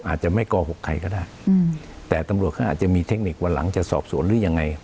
อาจจะไม่โกหกใครก็ได้แต่ตำรวจเขาอาจจะมีเทคนิควันหลังจะสอบสวนหรือยังไง